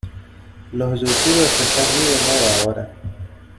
Los youtubers están muy de moda ahora